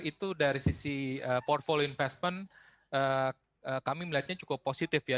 itu dari sisi portfolio investment kami melihatnya cukup positif ya